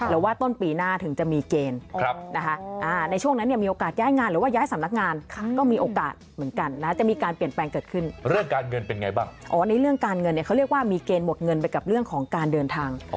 เรื่องการเงินเขาเรียกว่ามีเกณฑ์หมดเงินไปกับเรื่องของการเดินทาง